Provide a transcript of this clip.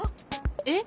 えっ？